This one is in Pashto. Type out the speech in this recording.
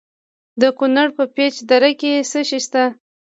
د کونړ په پيچ دره کې څه شی شته؟